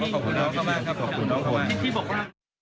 ขอบคุณน้องเข้ามาขอบคุณน้องเข้ามา